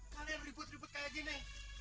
kalian ribut ribut kayak gini